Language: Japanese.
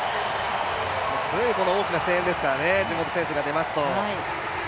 常に大きな声援ですからね、地元選手が出ますと。